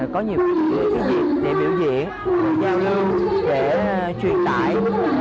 có nhiều việc để biểu diễn để giao lưu để truyền tải